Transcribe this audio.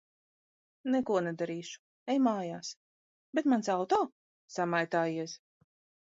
-Neko nedarīšu. Ej mājās. -Bet mans auto? -Samaitājies.